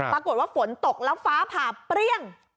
ปรากฏว่าฝนตกแล้วฟ้าผ่าเปรี้ยง